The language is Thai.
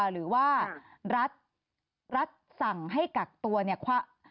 หรือว่ารัฐสั่งให้ตัวกักตัว